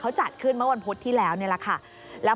เขาจัดขึ้นเมื่อวันพุธที่แล้วนี่แหละค่ะ